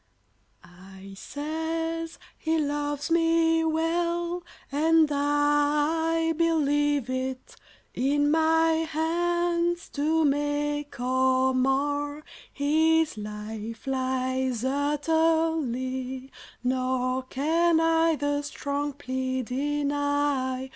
I says he loves me well, and I Believe it; in my hands, to make Or mar, his life lies utterly, Nor can I the strong plea deny.